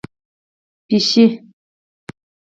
🐈 پېشو